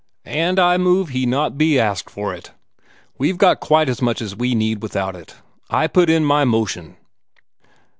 And I move he be not asked for it. We've got quite as much as we need, without it. I put my motion."